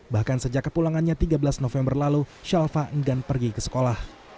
bahkan sejak kepulangannya tiga belas november lalu shalfa enggan pergi ke sekolah